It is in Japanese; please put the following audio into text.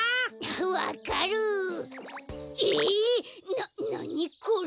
ななにこれ！